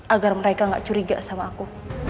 agar mereka gak curiga sama aku